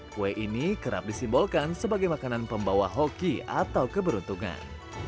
kue ini kerap disimbolkan sebagai makanan pembawa hoki atau keberuntungan